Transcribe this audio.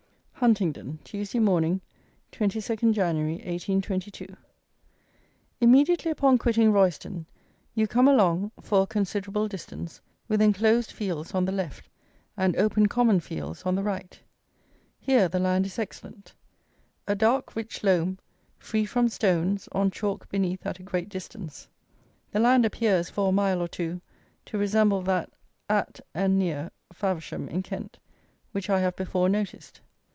Huntingdon, Tuesday morning, 22nd Jan., 1822. Immediately upon quitting Royston, you come along, for a considerable distance, with enclosed fields on the left and open common fields on the right. Here the land is excellent. A dark, rich loam, free from stones, on chalk beneath at a great distance. The land appears, for a mile or two, to resemble that at and near Faversham in Kent, which I have before noticed.